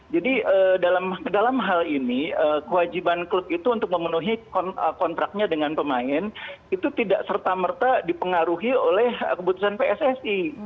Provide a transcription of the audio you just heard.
jadi dalam hal ini kewajiban klub itu untuk memenuhi kontraknya dengan pemain itu tidak serta merta dipengaruhi oleh keputusan pssi